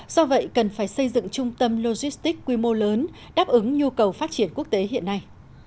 do vậy cần phải xây dựng trung tâm logistics quy mô lớn đáp ứng nhu cầu phát triển quốc tế hiện nay